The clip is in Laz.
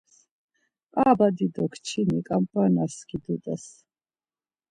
Ar badi do kçini Ǩamp̌arnas skidut̆es.